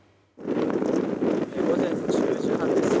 午前１０時半です。